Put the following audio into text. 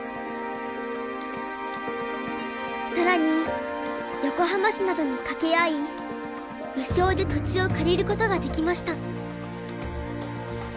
更に横浜市などに掛け合い無償で土地を借りることができました。